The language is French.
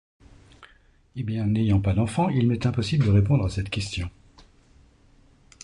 Eh bien, n'ayant pas d'enfants, il m'est impossible de répondre à cette question.